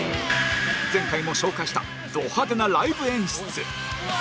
前回も紹介したド派手なライブ演出